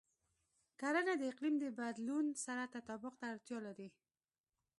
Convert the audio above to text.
کرنه د اقلیم د بدلون سره تطابق ته اړتیا لري.